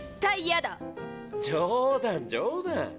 冗談冗談。